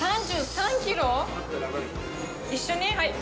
一緒に？